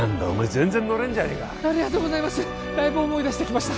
全然乗れんじゃねえかありがとうございますだいぶ思い出してきました